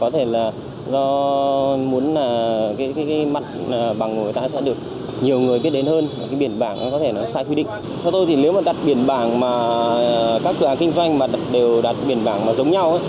theo tôi nếu đặt biển bảng mà các cửa hàng kinh doanh đều đặt biển bảng giống nhau